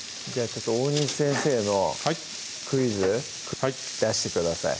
ちょっと大西先生のクイズ出してください